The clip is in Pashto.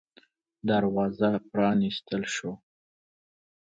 دروازه پرانستل شوه.